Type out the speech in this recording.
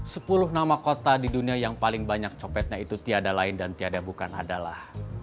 sepuluh nama kota di dunia yang paling banyak copetnya itu tiada lain dan tiada bukan adalah